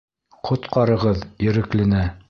Ҡотҡарығыҙ Ереклене.